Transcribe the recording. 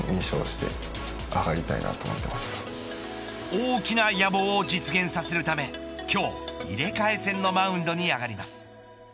大きな野望を実現させるため今日、入替戦のマウンドに上がります。